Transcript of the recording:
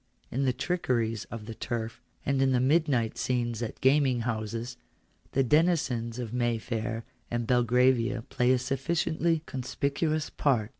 In the trickeries of the turf, and in the midnight scenes at gaming houses, the denizens of Mayfair and Belgravia play a sufficiently conspicuous part.